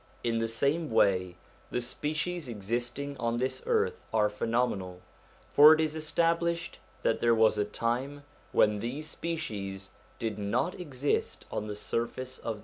In the same way the species existing on this earth are phenomenal, for it is established that there was a time when these species did not exist on the surface of the 1 i.